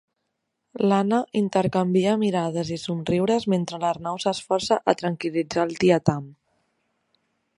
L'Anna intercanvia mirades i somriures mentre l'Arnau s'esforça a tranquil·litzar el tietam.